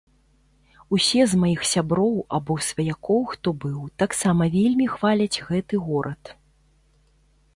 Усе з маіх сяброў або сваякоў, хто быў, таксама вельмі хваляць гэты горад.